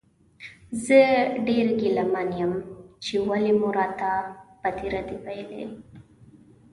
زه ډېر ګیله من یم چې ولې مو راته بدې ردې وویلې.